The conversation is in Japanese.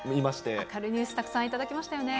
明るいニュースたくさん頂きましたよね。